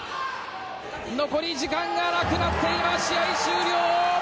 残り時間がなくなって、今、試合終了。